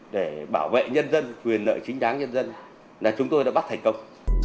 để bảo vệ nhân dân quyền nợ chính đáng nhân dân là chúng tôi đã bắt thành công